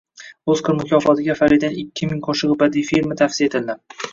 Oskar mukofotiga Faridaning ikki ming qo‘shig‘i badiiy filmi tavsiya etildi